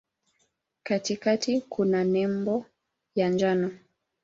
Katikati kuna nembo ya njano.